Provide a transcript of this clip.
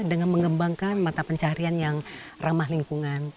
dengan mengembangkan mata pencarian yang ramah lingkungan